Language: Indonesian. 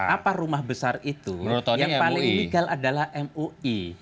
apa rumah besar itu yang paling ilegal adalah mui